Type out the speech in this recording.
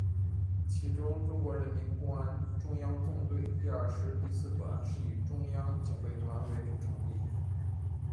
其中中国人民公安中央纵队第二师第四团是以中央警备团为主成立。